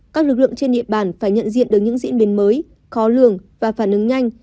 các lực lượng trên địa bàn phải nhận diện được những diễn biến mới khó lường và phản ứng nhanh